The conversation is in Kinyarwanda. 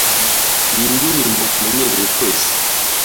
Iyi ndirimbo tumenyereye twese.